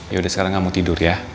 yaudah sekarang kamu tidur ya